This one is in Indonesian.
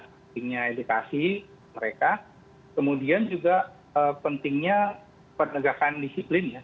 pentingnya edukasi mereka kemudian juga pentingnya penegakan disiplin ya